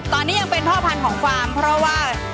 ตอนนี้ยังเป็นพ่อพันธุ์ของฟาร์มเพราะว่า